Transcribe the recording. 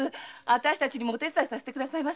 私たちもお手伝いさせてください。